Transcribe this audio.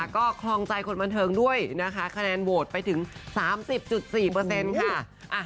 ก็คลองใจคนบันเทิงด้วยนะคะคะแนนโหวตไปถึง๓๐๔ค่ะ